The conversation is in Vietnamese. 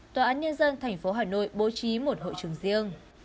tòa án nhân dân tp hà nội bố trí một hội trường riêng